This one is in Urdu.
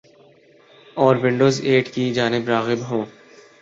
اور ونڈوز ایٹ کی جانب راغب ہوں ۔